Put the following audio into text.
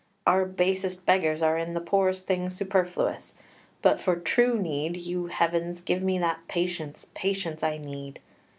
"Our basest beggars are in the poorest thing superfluous. But for true need you heavens, give me that patience, patience I need!